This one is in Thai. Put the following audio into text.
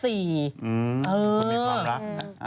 เฮ้อมีความรักนะ